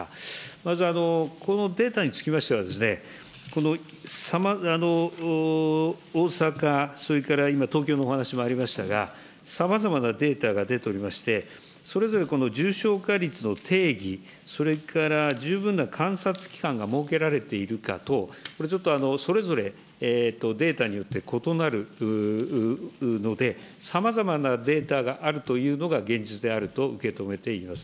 まずこのデータにつきましては、大阪、それから今、東京のお話もありましたが、さまざまなデータが出ております、それぞれこの重症化率の定義、それから十分な観察期間が設けられているか等、これちょっと、それぞれデータによって異なるので、さまざまなデータがあるというのが現実であると受け止めています。